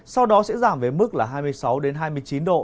sau đó sẽ giảm về mức là hai mươi sáu hai mươi chín độ